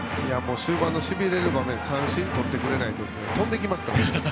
終盤のしびれる場面で三振とってくれないと飛んできますから。